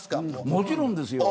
もちろんですよ。